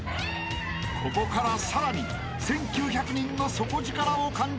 ［ここからさらに１，９００人の底力を感じることになる］